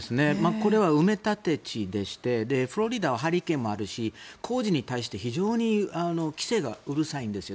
これは埋め立て地でしてフロリダはハリケーンもあるし工事に対して非常に規制がうるさいんですよ。